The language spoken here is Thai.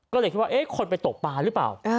ก็เลยคิดว่าคนไปตกปลาหรือเปล่า